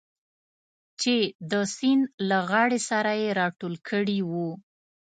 چې د سیند له غاړې سره یې راټول کړي و.